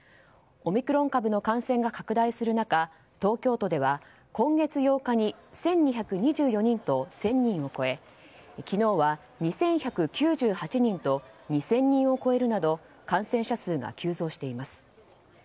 オミクロン株の感染が拡大する中東京都では今月８日に１２２４人と１０００人を超え昨日は２１９８人と２０００人を超えるなど感染者数が急増しています。